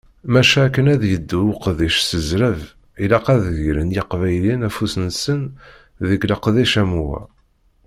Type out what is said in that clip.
Maca, akken ad yeddu uqeddic s zzreb, ilaq ad d-gren yiqbayliyen afus-nsen deg leqdic am wa.